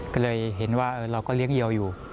ก็เลยเห็นว่าเราก็เลี้ยงเยียวอยู่